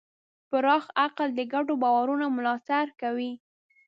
پراخ عقل د ګډو باورونو ملاتړ کوي.